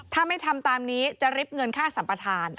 ถ้าไม่ทำตามนี้จะริบเงินค่าสัมปทาน